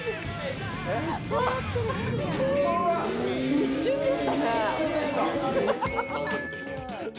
一瞬でしたね。